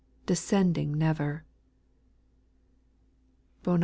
Descending never. BONAB.